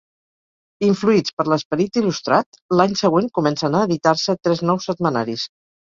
Influïts per l'esperit il·lustrat, l'any següent comencen a editar-se tres nous setmanaris.